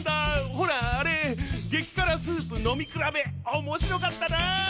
ほらあれ「激辛スープ飲み比べ」面白かったな。